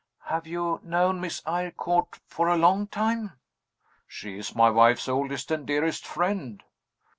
"Have you known Miss Eyrecourt for a long time?" "She is my wife's oldest and dearest friend.